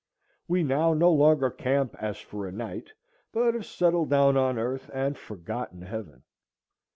We now no longer camp as for a night, but have settled down on earth and forgotten heaven.